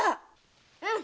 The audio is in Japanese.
うん。